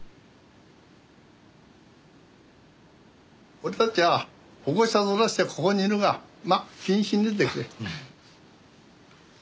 俺たちゃ保護者面してここにいるがまあ気にしねえでくれ。